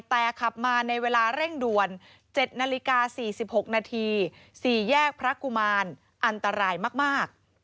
แต่ขับมาในเวลาเร่งด่วน๗นาฬิกา๔๖นาที๔แยกพระกุมารอันตรายมาก